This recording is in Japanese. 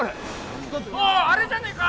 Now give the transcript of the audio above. あれじゃねえか？